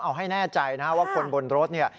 เอาให้แน่ใจนะครับว่าคนบนรถนี่